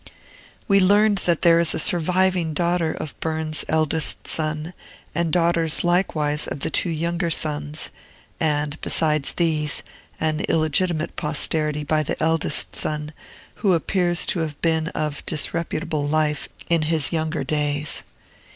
We learned that there is a surviving daughter of Burns's eldest son, and daughters likewise of the two younger sons, and, besides these, an illegitimate posterity by the eldest son, who appears to have been of disreputable life in his younger days.